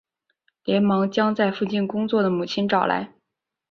连忙将在附近工作的母亲找来